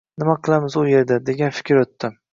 nima qilamiz u yerda, degan fikr o‘tdi.